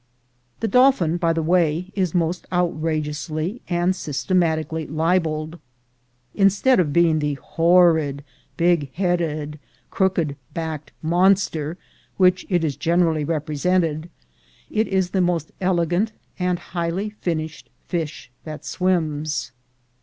The dolphin, by the way, is most outrageously and systematically libeled. Instead of being the horrid, big headed, crooked backed monster which it is gen ON TO CALIFORNIA 21 erally represented, it is the most elegant and highly finished fish that swims.